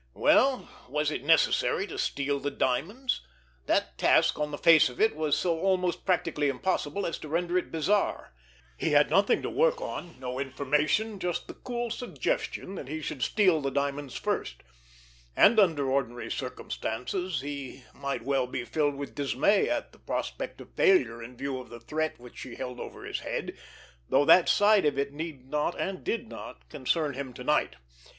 Well, was it necessary to steal the diamonds? That task, on the face of it, was so almost practically impossible as to render it bizarre. He had nothing to work on, no information, just the cool suggestion that he should steal the diamonds first; and, under ordinary circumstances, he might well be filled with dismay at the prospect of failure in view of the threat which she held over his head, though that side of it need not, and did not, concern him to night.